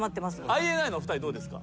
ＩＮＩのお二人どうですか？